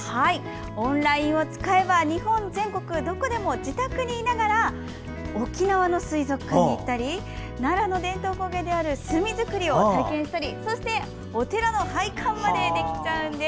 オンラインを使えば日本全国どこでも自宅にいながら沖縄の水族館に行ったり奈良の伝統工芸である墨づくりを体験したりそして、お寺の拝観までできちゃうんです。